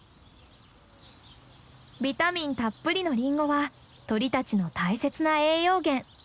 ビタミンたっぷりのリンゴは鳥たちの大切な栄養源。